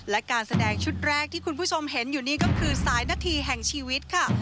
และการแสดงชุดแรกที่คุณผู้ชมเห็นอยู่นี่ก็คือสายนาทีแห่งชีวิตค่ะ